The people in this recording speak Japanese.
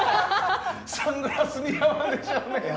サングラス似合わないでしょうね。